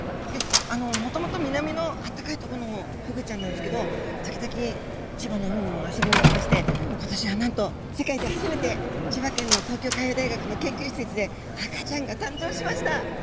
もともと南の暖かいところのふぐちゃんなんですが時々千葉のほうに遊びに来ましてことし、世界で初めて東京海洋大学の研究施設で赤ちゃんが誕生しました。